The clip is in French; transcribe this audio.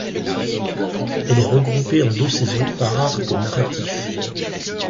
Elle est regroupée en deux saisons par arc narratif.